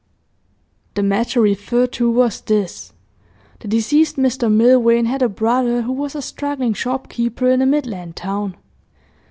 The matter referred to was this. The deceased Mr Milvain had a brother who was a struggling shopkeeper in a Midland town.